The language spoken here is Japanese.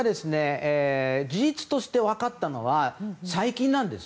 事実として分かったのは最近なんです。